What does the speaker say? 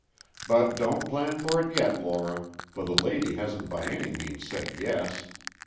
"But don't plan for it yet, Lora, for the lady hasn't by any means said yes.